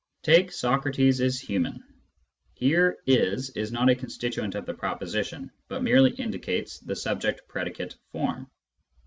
Take " Socrates is human." Here " is " is not a constituent of the proposition, but merely indicates the subject predicate form.